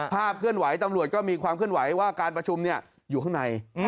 เคลื่อนไหวตำรวจก็มีความเคลื่อนไหวว่าการประชุมอยู่ข้างใน